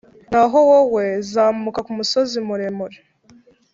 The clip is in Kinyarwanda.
Naho wowe, zamuka ku musozi muremure,